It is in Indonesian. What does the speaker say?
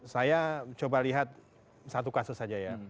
saya coba lihat satu kasus saja ya